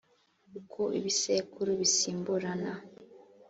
uko ibisekuru bisimburana